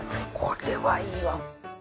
これはいいわ。